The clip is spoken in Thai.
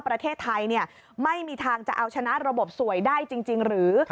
ประเทศไทยไม่มีทางจะเอาชนะระบบสวยได้จริงหรือ